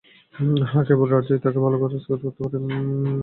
হ্যাঁ, কেবল রাজই, তাকে ভালো করতে পারে।